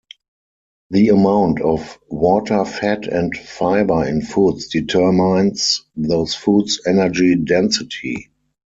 The amount of water, fat, and fiber in foods determines those foods' energy density.